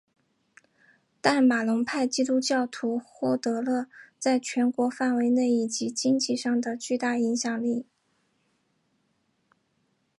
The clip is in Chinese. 但马龙派基督教徒获得了在全国范围内以及经济上的巨大影响力。